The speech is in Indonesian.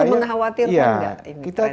ini cukup mengkhawatirkan nggak